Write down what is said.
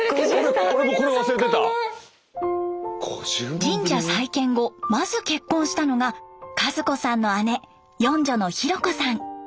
神社再建後まず結婚したのが和子さんの姉四女のひろ子さん。